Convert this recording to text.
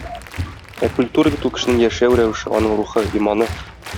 Ә культура бит ул кешенең яшәү рәвеше, аның рухы, иманы.